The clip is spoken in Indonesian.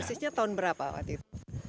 persisnya tahun berapa waktu itu